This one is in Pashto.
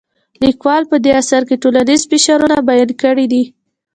لیکوال په دې اثر کې ټولنیز فشارونه بیان کړي دي.